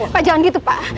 pak jangan gitu pak